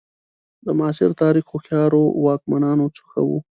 د معاصر تاریخ هوښیارو واکمنانو څخه وو.